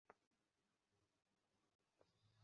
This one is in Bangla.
তিনি মনে করতেন।